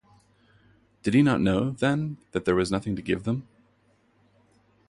Did He not know then that there was nothing to give them?